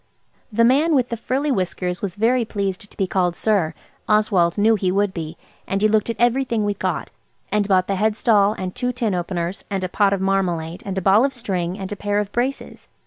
The man with the frilly whiskers was very pleased to be called "sir"–Oswald knew he would be–and he looked at everything we'd got, and bought the head stall and two tin openers, and a pot of marmalade, and a ball of string, and a pair of braces.